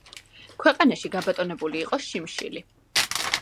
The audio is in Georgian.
ქვეყანაში გაბატონებული იყო შიმშილი.